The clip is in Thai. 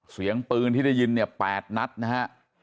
เสียงปืนที่ได้ยินเนี่ย๘นัดนะฮะ